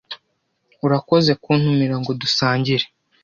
Urakoze kuntumira ngo dusangire.